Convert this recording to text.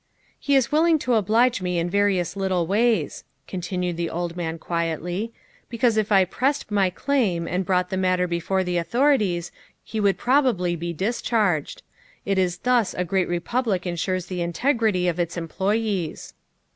" He is willing to oblige me in various little ways," continued the old man quietly, " because if I pressed my claim and brought the matter before the authorities he would probably be discharged. It is thus a great Republic insures the integrity of its employes."